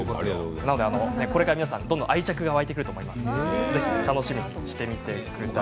これから皆さん、どんどん愛着が湧いてくると思いますので楽しみにしてください。